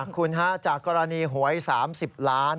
คุณฮะจากกรณีหวย๓๐ล้าน